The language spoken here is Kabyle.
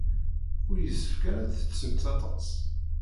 Ur yessefk ara ad tettettemt aṭas.